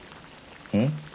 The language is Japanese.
うん？